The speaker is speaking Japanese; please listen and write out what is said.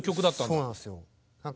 そうなんですよ。